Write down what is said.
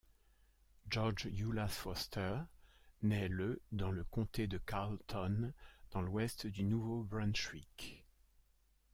George Eulas Foster naît le dans le Comté de Carleton dans l'ouest du Nouveau-Brunswick.